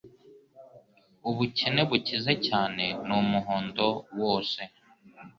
Ubukene bukize cyane n'umuhondo wose